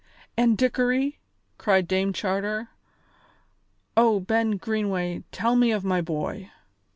"And Dickory?" cried Dame Charter. "Oh, Ben Greenway, tell me of my boy."